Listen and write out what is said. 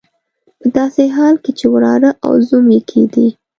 په داسې حال کې چې وراره او زوم یې کېدی.